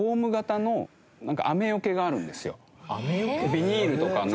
ビニールとか布。